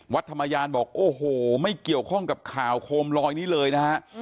ธรรมยานบอกโอ้โหไม่เกี่ยวข้องกับข่าวโคมลอยนี้เลยนะฮะ